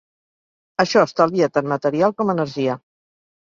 Això estalvia tant material com energia.